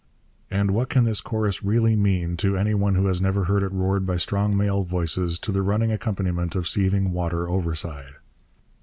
And what can this chorus really mean to any one who has never heard it roared by strong male voices to the running accompaniment of seething water overside?